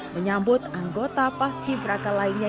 menyambut anggota paski beraka lainnya